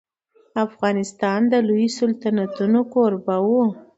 افغانستان د لويو سلطنتونو کوربه و.